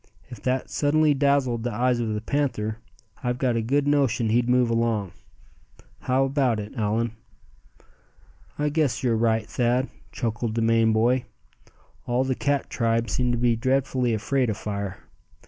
If that suddenly dazzled the eyes of the panther, I've got a good notion he'd move along. How about it, Allan?" "I guess you're right, Thad," chuckled the Maine boy. "All the cat tribe seem to be dreadfully afraid of fire.